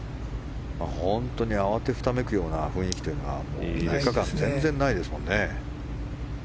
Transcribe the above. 本当に慌てふためく雰囲気というのは３日間、全然ないですよね。